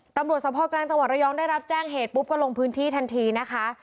ตำรวจสภกลางจังหวัดระยองได้รับแจ้งเหตุปุ๊บก็ลงพื้นที่ทันทีนะคะ